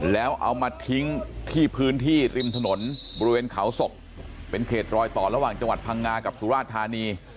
แล้วเอามาทิ้งที่พื้นที่ริมถนนบริเวณเขาศกเป็นเขตรอยต่อระหว่างจังหวัดพังงากับสุราชธานี